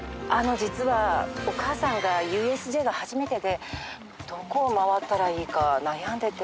実はお母さんがＵＳＪが初めてでどこを回ったらいいか悩んでて。